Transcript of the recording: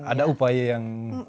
ada upaya yang khusus